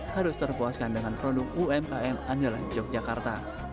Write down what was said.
harus terpuaskan dengan produk umkm andalan yogyakarta